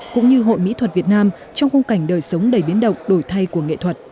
cũng như hội mỹ thuật việt nam trong khung cảnh đời sống đầy biến động đổi thay của nghệ thuật